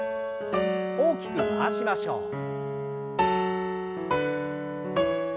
大きく回しましょう。